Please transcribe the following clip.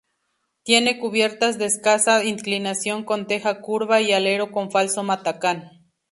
Tiene cubiertas de escasa inclinación con teja curva y alero con falso matacán.